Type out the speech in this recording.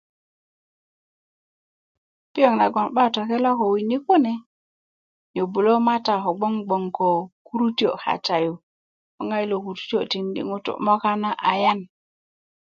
piöŋ nagon 'ba tokela ko wini kune nyöbulö mata kogwon gboŋ ko kurutio kata yu 'boŋ a ilo kurutiyo tindi ŋutu yi moka na ayaan